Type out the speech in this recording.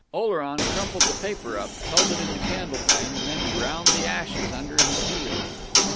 Oleron crumpled the paper up, held it in the candle flame, and then ground the ashes under his heel.